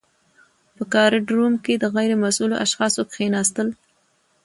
په ګارډ روم کي د غیر مسؤلو اشخاصو کښيناستل .